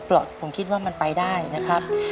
ผมคิดว่ามันไปได้นะครับ